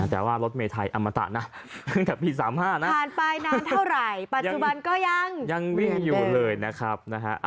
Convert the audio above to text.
แต่ว่ารถเมไทยอมตะนะตั้งแต่ปี๓๕นะผ่านไปนานเท่าไหร่ปัจจุบันก็ยังวิ่งอยู่เลยนะครับนะฮะ